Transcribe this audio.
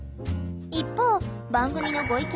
一方番組のご意見